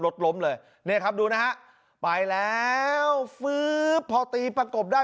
รถล้มเลยเนี่ยครับดูนะฮะไปแล้วฟื๊บพอตีประกบได้